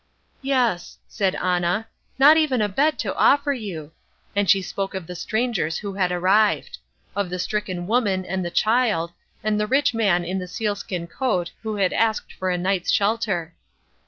"Yes," said Anna, "not even a bed to offer you," and she spoke of the strangers who had arrived; of the stricken woman and the child, and the rich man in the sealskin coat who had asked for a night's shelter.